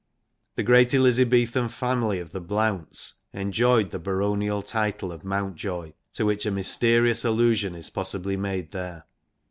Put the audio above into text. The great Elizabethan family of the Blounts enjoyed the baronial title of Mountjoy, to which a mysterious allusion is possibly made there.